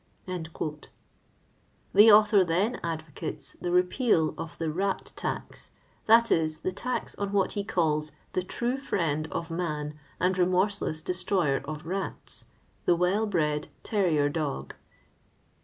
The author then advocates the repeal of the <* rat tax," that is, the tax on what he calls the true friend of man and remorseless destroyer of rats," the weU bred terrier dog.